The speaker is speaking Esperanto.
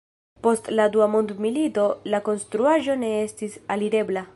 Post la Dua mondmilito la konstruaĵo ne estis alirebla.